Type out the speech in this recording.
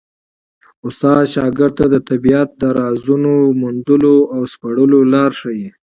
استاد شاګرد ته د طبیعت د رازونو د موندلو او سپړلو لاره ښيي.